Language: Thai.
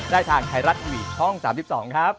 ได้ทางไทยรัฐทีวีช่อง๓๒ครับ